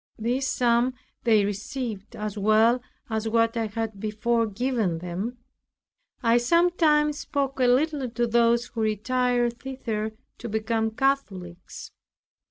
This sum they received, as well as what I had before given them. I sometimes spoke a little to those who retired thither to become Catholics.